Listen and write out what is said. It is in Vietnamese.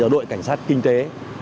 đội cảnh sát kinh tế